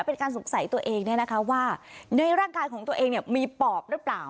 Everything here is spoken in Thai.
เป็นการสงสัยตัวเองเนี่ยนะคะว่าในร่างกายของตัวเองเนี่ยมีปอบหรือเปล่า